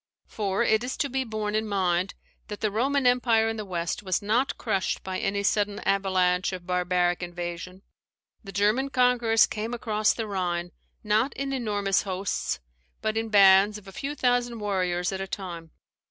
For it is to be borne in mind, that the Roman empire in the West was not crushed by any sudden avalanche of barbaric invasion. The German conquerors came across the Rhine, not in enormous hosts, but in bands of a few thousand warriors at a time.